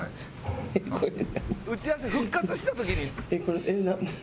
打ち合わせ復活した時に。